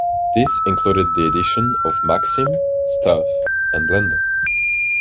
This included the editions of "Maxim", "Stuff" and "Blender".